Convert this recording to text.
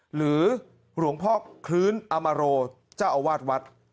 หรือหลวงพ่อคลื้นอมโรเจ้าอาวาสวัด